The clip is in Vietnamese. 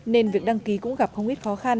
nên việc đăng ký cũng gặp không ít khó khăn